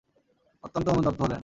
অত্যন্ত অনুতপ্ত হলেন।